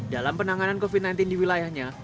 dalam penanganan covid sembilan belas di wilayahnya